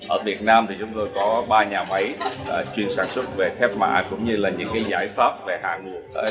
ở việt nam thì chúng tôi có ba nhà máy chuyên sản xuất về thép mạ cũng như là những cái giải pháp về hạ nguồn